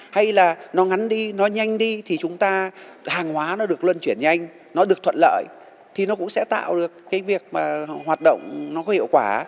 hay là nó ngắn đi nó nhanh đi thì chúng ta hàng hóa nó được luân chuyển nhanh nó được thuận lợi thì nó cũng sẽ tạo được cái việc mà hoạt động nó có hiệu quả